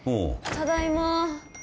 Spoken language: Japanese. ただいまー。